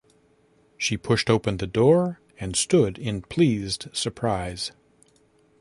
She pushed open the door, and stood in pleased surprise.